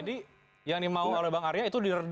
jadi yang mau oleh bang arya itu